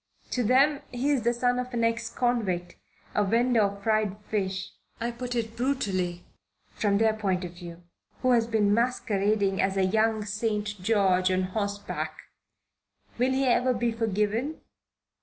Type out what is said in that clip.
To them he's the son of an ex convict a vendor of fried fish I put it brutally from their point of view who has been masquerading as a young St. George on horseback. Will he ever be forgiven?